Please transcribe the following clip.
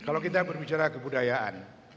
kalau kita berbicara kebudayaan